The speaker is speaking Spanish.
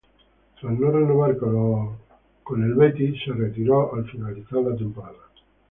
Tras no renovar con los Warriors, se retiró al finalizar la temporada.